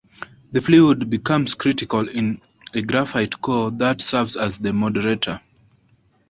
The fluid becomes critical in a graphite core that serves as the moderator.